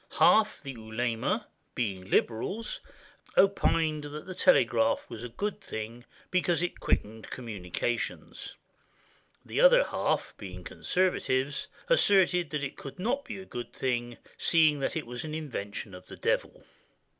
Half the ulema, being liberals, opined that the telegraph was a good thing, because it quickened communications; the other half, being conservatives, asserted that it could not be good, seeing that it was an invention of the Devil.